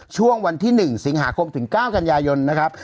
ช่วงวันที่๑สิงหาคมถึง๙กันยายนนะครับ